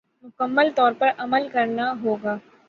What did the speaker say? مکمل طور پر عمل کرنا ہوگا